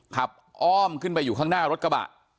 อ้อมขึ้นไปอยู่ข้างหน้ารถกระบะ